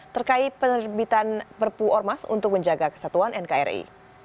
terkait penerbitan perpu ormas untuk menjaga kesatuan nkri